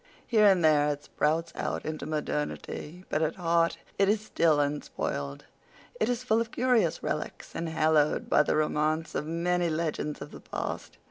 Here and there it sprouts out into modernity, but at heart it is still unspoiled; it is full of curious relics, and haloed by the romance of many legends of the past.